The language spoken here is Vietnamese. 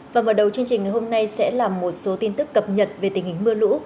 và mở đầu chương trình ngày hôm nay sẽ là một số tin tức cập nhật về tình hình mưa lũ